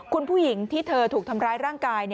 คุณผู้หญิงที่เธอถูกทำร้ายร่างกาย